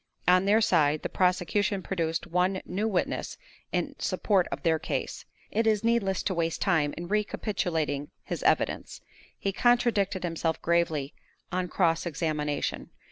On their side, the prosecution produced one new witness in support of their case. It is needless to waste time in recapitulating his evidence. He contradicted himself gravely on cross examination.